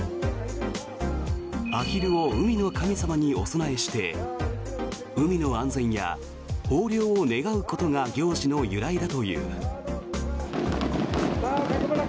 アヒルを海の神様にお供えして海の安全や豊漁を願うことが行事の由来だという。